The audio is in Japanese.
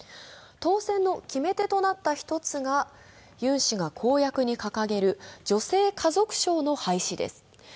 当選の決め手となった一つが、ユン氏が公約に掲げる女性家族省の廃止です。